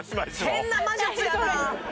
変な魔術やな！